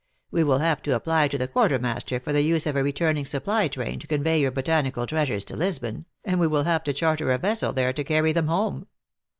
We will have to apply to the quartermaster for the use of a returning supply^ train to convey your botanical treasures to Lisbon, and we will have to charter a vessel there to carry them home.